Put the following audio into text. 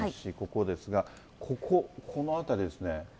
ここですが、ここ、この辺りですね。